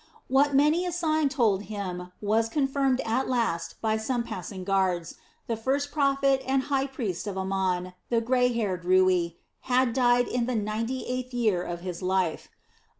What many a sign told him was confirmed at last by some passing guards the first prophet and high priest of Amon, the grey haired Rui, had died in the ninety eighth year of his life.